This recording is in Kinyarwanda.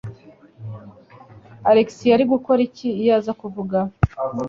Alex yari gukora iki iyo aza kuvuga?